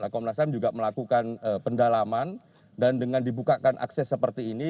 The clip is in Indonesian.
komnas ham juga melakukan pendalaman dan dengan dibukakan akses seperti ini